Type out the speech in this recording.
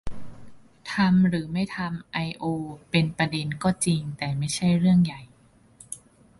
ทำ หรือไม่ทำไอโอ เป็นประเด็นก็จริง แต่ไม่ใช่เรื่องใหญ่